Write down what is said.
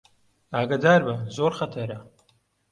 ئاگادار بە، زۆر خەتەرە